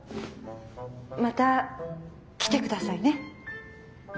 また来て下さいね。